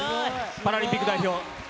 パラリンピック代表。